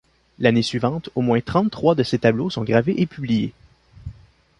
L'année suivante, au moins trente trois de ses tableaux sont gravés et publiés.